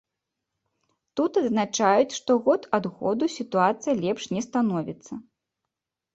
Тут адзначаюць, што год ад году сітуацыя лепш не становіцца.